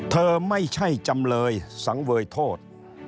เธอไม่ใช่จำเลยสังเวยโทษ